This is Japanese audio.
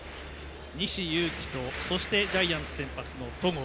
西勇輝とそしてジャイアンツ先発の戸郷